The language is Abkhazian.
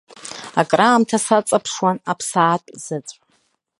Акраамҭа саҵаԥшуан аԥсаатә заҵә.